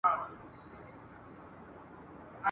چي نا اهله په وطن كي پر قدرت وي !.